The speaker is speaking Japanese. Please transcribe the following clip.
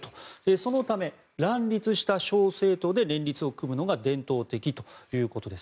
そのため、乱立した小政党で連立を組むのが伝統的ということです。